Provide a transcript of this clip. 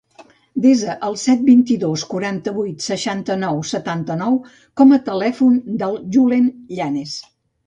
Desa el set, vint-i-dos, quaranta-vuit, seixanta-nou, setanta-nou com a telèfon del Julen Llanes.